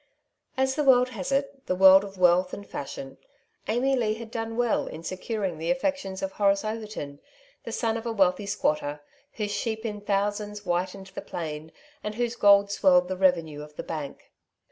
As the world has it— the world of wealth and fashion — Amy Leigh had done well in securing the affections of Horace Overton, the son of a wealthy squatter, whose sheep in thousands whitened the plain, and whose gold swelled the revenue of the bank.